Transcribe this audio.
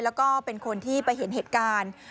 แล้วก็เป็นคนที่ไปเห็นเหตุการณ์